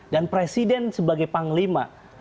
dan presiden sebagai panglima